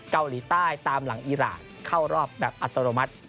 เกาหลีใต้ตามหลังอีรานเข้ารอบแบบอัตโนมัติ